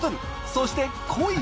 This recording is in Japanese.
そして恋！？